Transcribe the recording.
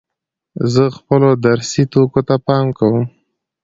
زه خپلو درسي توکو ته پام کوم.